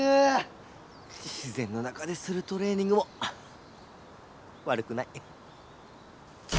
自ぜんの中でするトレーニングもわるくない！